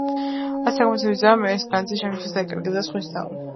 "ისეთ საქმესა ვიზამ, ეს განძი ჩემთვისაც დაიკარგება და სხვისთვისაცო".